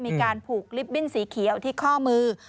มีการผูกลิฟตบิ้นสีเขียวที่ข้อมือ